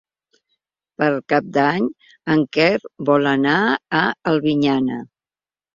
Per Cap d'Any en Quer vol anar a Albinyana.